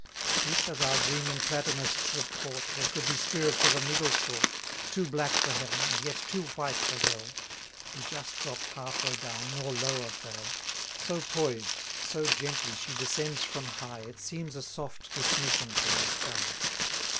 340 If, as our dreaming Platonists report, There could be spirits of a middle sort, Too black for heaven, and yet too white for hell, Who just dropt half way down, nor lower fell; So poised, so gently she descends from high, It seems a soft dismission from the sky.